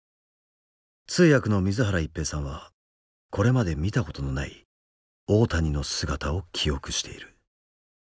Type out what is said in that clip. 通訳の水原一平さんはこれまで見たことのない大谷の姿を記憶している。